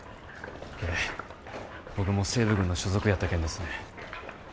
ええ僕も西部軍の所属やったけんですね。